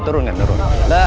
turun kan turun